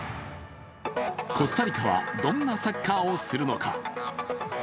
コスタリカは、どんなサッカーをするのか。